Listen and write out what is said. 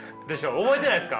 覚えてないですか？